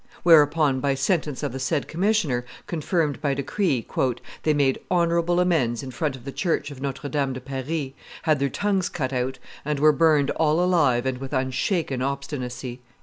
Whereupon, by sentence of the said commissioner, confirmed by decree, "they made honorable amends in front of the church of Notre Dame de Paris, had their tongues cut out, and were burned all alive and with unshaken obstinacy."